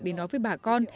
để nói với bà con